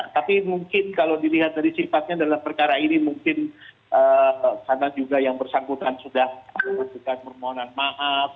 tapi mungkin kalau dilihat dari sifatnya dalam perkara ini mungkin karena juga yang bersangkutan sudah memberikan permohonan maaf